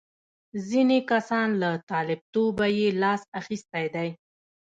ځینې کسان له طالبتوبه یې لاس اخیستی دی.